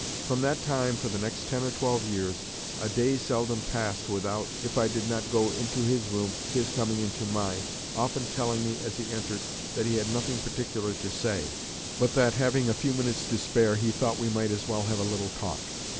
From that time for the next ten or twelve years, a day seldom passed without, if I did not go into his room, his coming into mine, often telling me as he entered, that he had nothing particular to say; but that, having a few minutes to spare, he thought we might as well have a little talk.